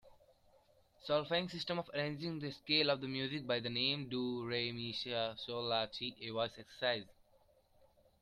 Solfaing system of arranging the scale of music by the names do, re, mi, fa, sol, la, si a voice exercise.